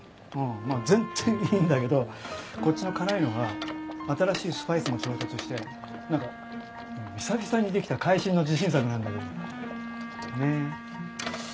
まぁ全然いいんだけどこっちの辛いのは新しいスパイスも調達して何か久々に出来た会心の自信作なんだけどね。